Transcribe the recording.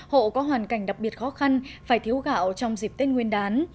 hộ có hoàn cảnh đặc biệt khó khăn phải thiếu gạo trong dịp tết nguyên đán